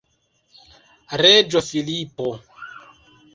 Reĝo Filipo.